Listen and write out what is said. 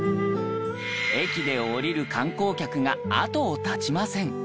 駅で降りる観光客が後を絶ちません。